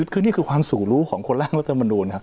คือนี่คือความสูรู้ของคนร่างประธรรมนุน